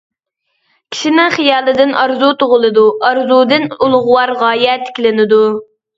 كىشىنىڭ خىيالىدىن ئارزۇ تۇغۇلىدۇ، ئارزۇدىن ئۇلۇغۋار غايە تىكلىنىدۇ.